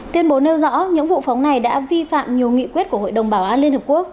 tuyên bố nêu rõ những vụ phóng này đã vi phạm nhiều nghị quyết của hội đồng bảo an liên hợp quốc